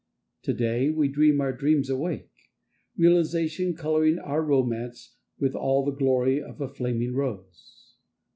Today— We. dream our dream awake; Realization, Coloring our Romance With all the glory Of a flaming Rose.